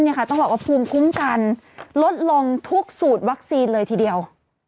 ต้องบอกว่าภูมิคุ้มกันลดลงทุกสูตรวัคซีนเลยทีเดียว